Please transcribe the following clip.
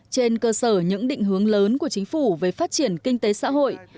trên cơ sở những định hướng lớn của chính phủ về phát triển kinh tế xã hội